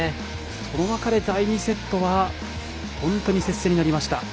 その中で第２セットは本当に接戦になりました。